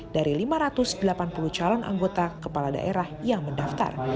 dari lima ratus delapan puluh calon anggota kepala daerah yang mendaftar